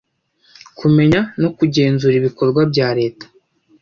kumenya no kugenzura ibikorwa bya leta